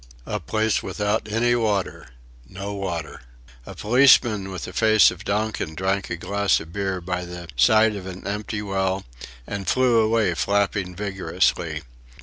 A place without any water! No water! A policeman with the face of Donkin drank a glass of beer by the side of an empty well, and flew away flapping vigorously.